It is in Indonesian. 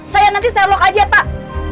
saya nanti share log aja pak